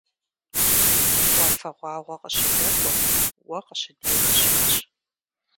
Уафэгъуагъуэ къыщыдэкӀуэ, уэ къыщыдех щыӀэщ.